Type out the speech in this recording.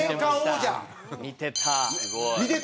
見てた。